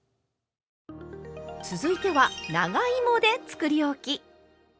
続いては長芋でつくりおき。